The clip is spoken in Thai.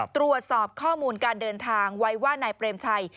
ตรวจสอบข้อมูลการเดินทางไว้ว่านายเปรมชัย